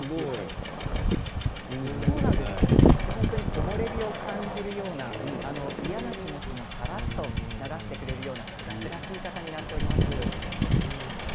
木漏れ日を感じるような嫌な気持ちもさらりと流してくれるようなすがすがしい傘になっています。